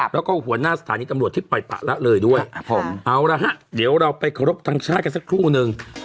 และก็บอกว่าหัวหน้าสถานีจังหลวงที่ไปปลาเลยด้วยเดี๋ยวเราไปรับตรงชาติกันสักครู่หนึ่ง